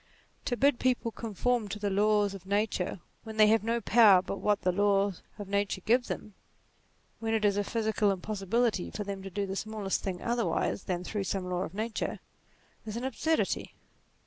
To bid people conform to the laws of nature when they have no power but what the laws of nature give them when it is a physical im possibility for them to do the smallest thing otherwise than through some law of nature, is an absurdity.